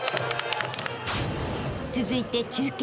［続いて中堅］